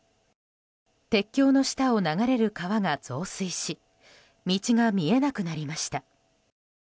鉄橋の下を流れる川が増水し道が見えなくなりました。